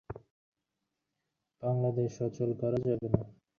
বাংলাদেশ অচল করা যাবে না।